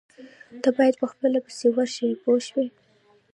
تۀ باید په خپله پسې ورشې پوه شوې!.